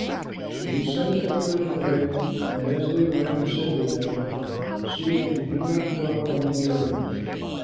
So he sent his brothers away, and, as they went, he said to them, "See that you do not quarrel on the journey!"